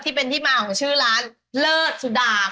ที่เป็นที่มาของชื่อร้านเลิศสุดาม